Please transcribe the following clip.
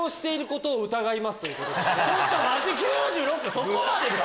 そこまでか？